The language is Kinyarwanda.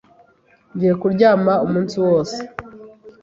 Ngiye kuryama umunsi wose.